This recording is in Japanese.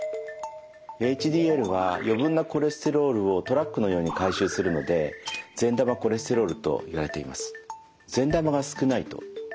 ＨＤＬは余分なコレステロールをトラックのように回収するので善玉コレステロールといわれています。